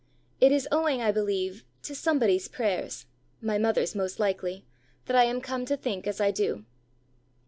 It is owing, I believe, to somebody's prayers (my mother's most likely) that I am come to think as I do."